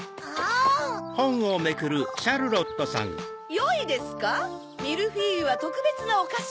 よいですかミルフィーユはとくべつなおかし。